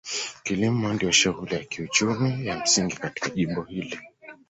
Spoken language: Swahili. Kilimo ndio shughuli ya kiuchumi ya msingi katika jimbo hili.